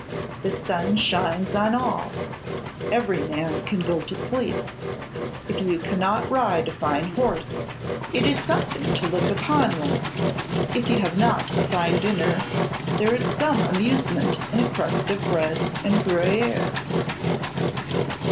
The sun shines on all: every man can go to sleep: if you cannot ride a fine horse, it is something to look upon one; if you have not a fine dinner, there is some amusement in a crust of bread and Gruyère.